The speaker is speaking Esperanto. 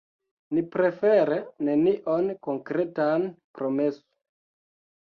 Ni prefere nenion konkretan promesu.